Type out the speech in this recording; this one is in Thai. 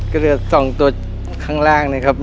ก็เหลือ๒ตัวข้างล่างนะครับ